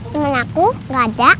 temen aku gak ada